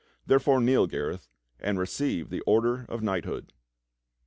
Therefore kneel, Gareth, and receive the order of knighthood."